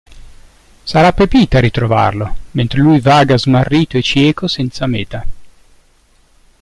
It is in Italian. Sarà Pepita a ritrovarlo mentre lui vaga smarrito e cieco senza meta.